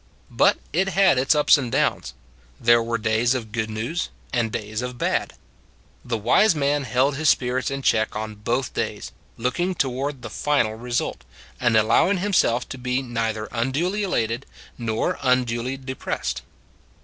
But it had its ups and downs: there were days of good news and days of bad. The wise man held his spirits in check on both days, looking toward the final result, and allowing himself to be neither unduly elated nor unduly depressed.